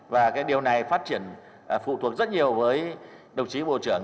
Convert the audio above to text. và cái điều này phát triển phụ thuộc rất nhiều với đồng chí bộ trưởng